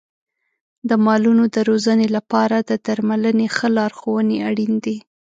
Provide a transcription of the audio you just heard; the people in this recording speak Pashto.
د مالونو د روزنې لپاره د درملنې ښه لارښونې اړین دي.